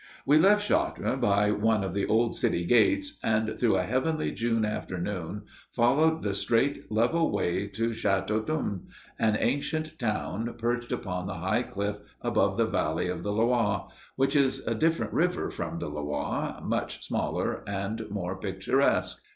We left Chartres by one of the old city gates, and through a heavenly June afternoon followed the straight, level way to Châteaudun, an ancient town perched upon the high cliff above the valley of the Loir, which is a different river from the Loire much smaller and more picturesque.